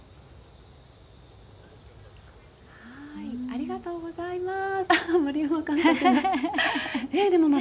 ありがとうございます。